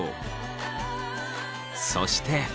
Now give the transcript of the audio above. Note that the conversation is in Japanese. そして。